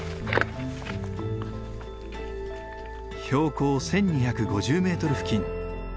標高１，２５０メートル付近。